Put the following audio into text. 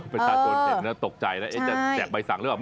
ประชาชนตกใจนะจะแจกใบสั่งหรือเปล่า